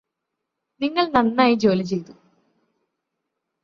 നിങ്ങള് നന്നായി ജോലി ചെയ്തു